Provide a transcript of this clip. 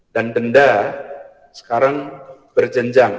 dan denda sekarang berjenjang